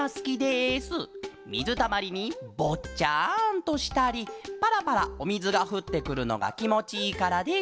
みずたまりにぼっちゃんとしたりパラパラおみずがふってくるのがきもちいいからです。